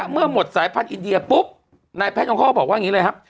เมื่อหมดสายพันธุอินเดียปุ๊บนายแพทยงเขาก็บอกว่าอย่างนี้เลยครับ